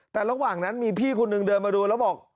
แต่ระหว่างนั้นมีพี่คนนึงเดินมาดูแล้วบอก